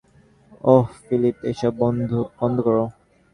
ওহ, Philip, এইসব বন্ধ করো।